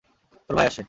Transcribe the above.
তোর ভাই আসছে।